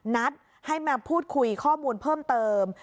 นัดให้มาพูดคุยข้อมูลเพิ่มเติม